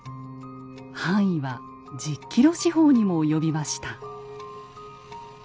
範囲は１０ｋｍ四方にも及びました。